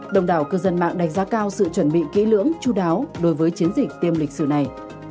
đồng đảo cư dân mạng đánh giá cao sự chuẩn bị kỹ lưỡng chú đáo đối với chiến dịch tiêm lịch sử này